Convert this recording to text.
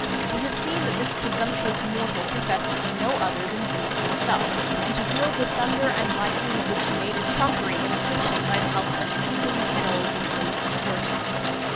We have seen that this presumptuous mortal professed to be no other than Zeus himself, and to wield the thunder and lightning, of which he made a trumpery imitation by the help of tinkling kettles and blazing torches.